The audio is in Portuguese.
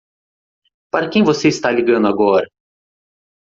Para quem você está ligando agora?